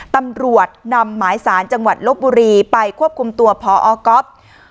ตำรวจนำหมายสารจังหวัดลบบุรีไปควบคุมตัวพอก๊อฟ